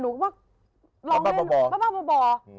หนูก็ว่าลองเล่นบ้าบ้าบ่อบ่อ